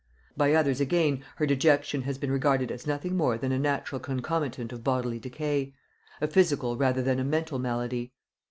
By others, again, her dejection has been regarded as nothing more than a natural concomitant of bodily decay; a physical rather than a mental malady.